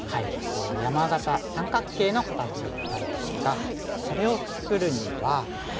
山型三角形の形なんですがそれを作るには。